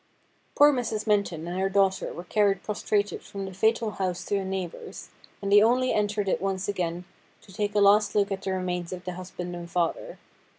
Poor Mrs. Minton and her daughter were carried prostrated from the fatal house to a neighbour's, and they only entered it once again to take a last look at the remains of the husband and father.